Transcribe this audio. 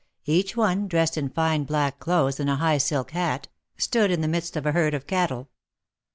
Each one, dressed in fine black clothes and a high silk hat, stood in the midst of a herd of cattle.